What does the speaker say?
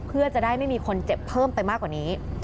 เพื่อจะได้ไม่มีคนเจ็บเพิ่มไปมากกว่านี้